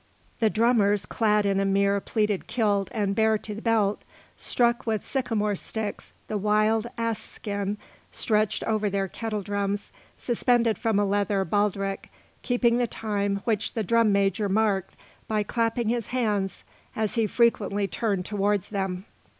The drummers, clad in a mere pleated kilt and bare to the belt, struck with sycamore sticks the wild ass skin stretched over their kettledrums suspended from a leather baldric, keeping the time which the drum major marked by clapping his hands as he frequently turned towards them.